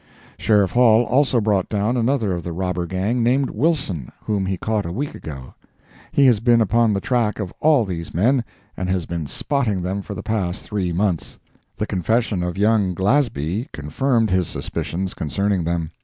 Sheriff Hall also brought down another of the robber gang named Wilson, whom he caught a week ago. He has been upon the track of all these men, and has been "spotting" them for the past three months. The confession of young Glasby confirmed his suspicions concerning them.